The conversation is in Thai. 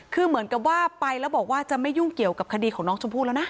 คือเหมือนกับว่าไปแล้วบอกว่าจะไม่ยุ่งเกี่ยวกับคดีของน้องชมพู่แล้วนะ